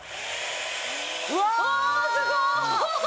うわうわすごい！